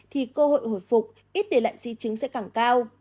thì cơ hội hồi phục ít để lại di chứng sẽ càng cao